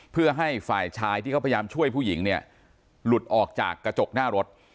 เพื่อให้ฝ่ายชายที่เขาพยายามช่วยผู้หญิงเนี่ยหลุดออกจากกระจกหน้ารถ